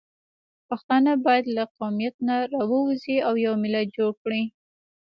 پښتانه باید له قومیت نه راووځي او یو ملت جوړ کړي